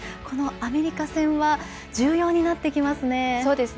このアメリカ戦は重要になってきますね。